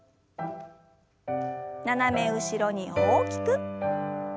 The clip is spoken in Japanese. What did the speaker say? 斜め後ろに大きく。